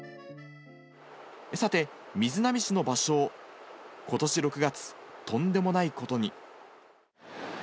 さて、瑞浪市のバショウ、ことし６月、とんでもないことに。